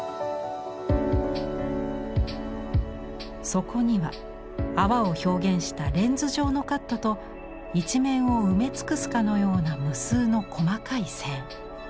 底には泡を表現したレンズ状のカットと一面を埋め尽くすかのような無数の細かい線。